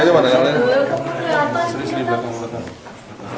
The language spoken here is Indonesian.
yang lainnya mana